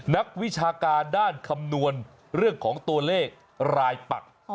นักวิชาการด้านคำนวณเรื่องของตัวเลขรายปัก